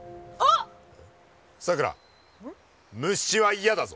さくら虫は嫌だぞ。